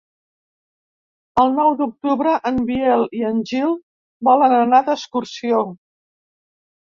El nou d'octubre en Biel i en Gil volen anar d'excursió.